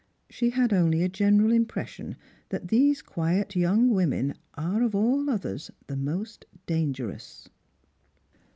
She had only a general impression that these quiet young women are of all others the m< st dangerous.